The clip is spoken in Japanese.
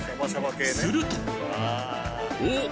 するとおっ！